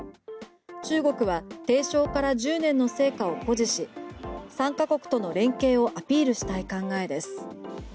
中国は提唱から１０年の成果を誇示し参加国との連携をアピールしたい考えです。